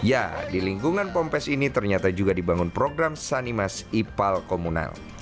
ya di lingkungan pompes ini ternyata juga dibangun program sanimas ipal komunal